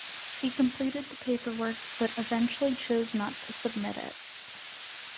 He completed the paperwork but eventually chose to not submit it.